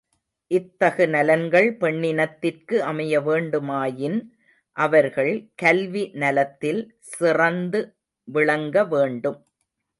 இத்தகு நலன்கள் பெண்ணினித்திற்கு அமைய வேண்டுமாயின் அவர்கள் கல்வி நலத்தில் சிறந்து விளங்க வேண்டும்.